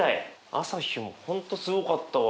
朝日も本当すごかったわ。